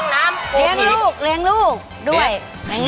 ข้างน้ำโอปิ